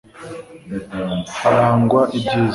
harangwa ibyiza